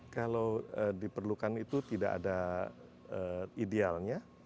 kalau diperlukan itu tidak ada idealnya